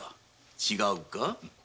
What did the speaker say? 違うか？